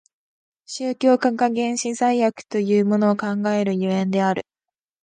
宗教家が原始罪悪というものを考える所以である。